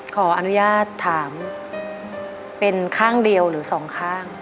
ขออนุญาตถามเป็นข้างเดียวหรือสองข้าง